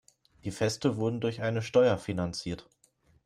Die Feste wurden durch eine Steuer finanziert.